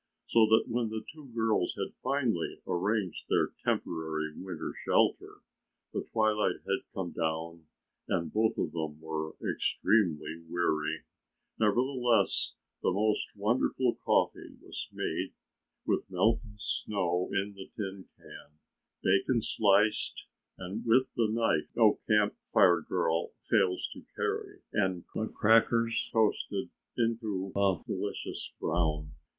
So that when the two girls had finally arranged their temporary winter shelter, the twilight had come down and both of them were extremely weary. Nevertheless, the most wonderful coffee was made with melted snow in the tin can, bacon sliced and fried with the knife no Camp Fire girl fails to carry and the crackers toasted into a smoky but delicious brown.